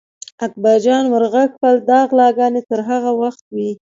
اکبر جان ور غږ کړل: دا غلاګانې تر هغه وخته وي.